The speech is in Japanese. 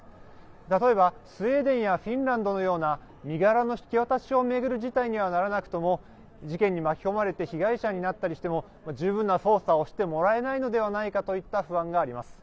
例えばスウェーデンやフィンランドのような身柄の引き渡しを巡る事態にはならなくとも事件に巻き込まれて被害者になったりしても十分な捜査をしてもらえないのではないかといった不安があります。